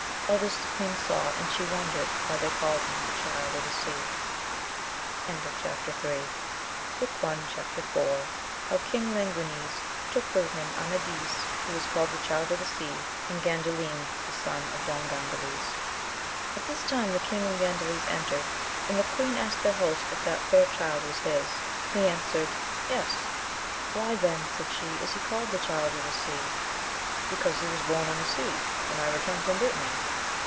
All this the queen saw and she wondered why they called him the Child of the Sea. AMADIS OF GAUL. 21 Chap. IV.— How King Languines took with him Amadis, who was called the Child of the Sea, and Gandalin the son of Don Gtindales. |T this time the king and Gandales entered, and the queen asked their host if that fair child was his 1 he answered, yes. Why, then, said she, is he called the Child of the Sea ?— Because he was bom on the sea, when I returned from Brittany.